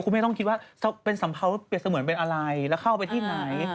ไม่ต้องคิดว่าเป็นสัมเภาเปรียบเสมือนเป็นอะไรแล้วเข้าไปที่ไหน